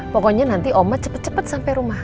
pokoknya nanti oma cepet cepet sampai rumah